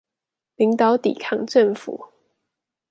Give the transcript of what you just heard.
領導抵抗政府